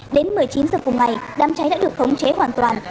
đến một mươi chín h cùng ngày đám cháy đã được khống chế hoàn toàn